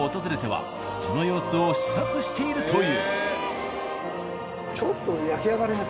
その様子を視察しているという。